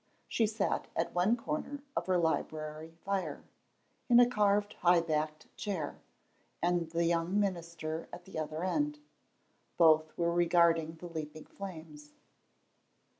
She sat at one corner of her library fire, in a carved high backed chair, and the young minister at the other end. Both were regarding the leaping flames.